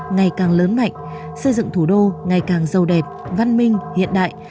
ngày càng lớn mạnh xây dựng thủ đô ngày càng giàu đẹp văn minh hiện đại